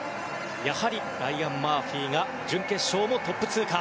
やはりライアン・マーフィーが準決勝もトップ通過。